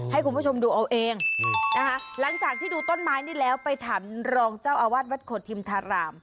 ให้คุณผู้ชมดูเอาเองนะคะหลังจากที่ดูต้นไม้นี่แล้วไปถามรองเจ้าอาวาสวัดโขทิมธาราม